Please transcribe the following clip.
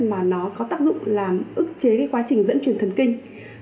mà nó có tác dụng làm ức chế quá trình dẫn truyền thần kinh